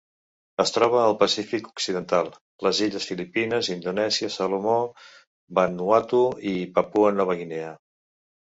Es troba al Pacífic occidental: les illes Filipines, Indonèsia, Salomó, Vanuatu i Papua Nova Guinea.